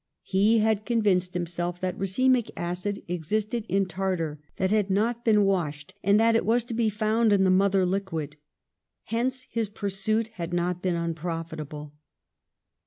He had convinced himself that ra cemic acid existed in tartar that had not been washed and that it was to be found in the mother liquid. Hence his pursuit had not been unprofitable.